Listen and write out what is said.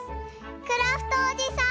クラフトおじさん！